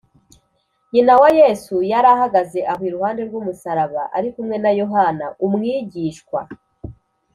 nyina wa yesu yari ahagaze aho iruhande rw’umusaraba, ari kumwe na yohana umwigishwa